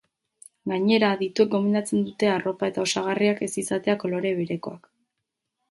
Gainera, adituek gomendatzen dute arropa eta osagarriak ez izatea kolore berekoak.